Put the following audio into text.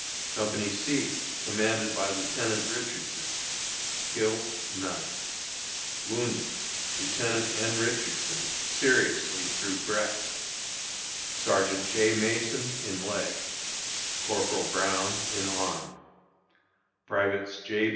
Company C, commanded by Lieutenant Richardson. Killed: None. Wounded: Lieutenant N. Richardson, seriously through breast; Sergeant J. Mason, in leg; Corporal Brown, in arm; Privates J.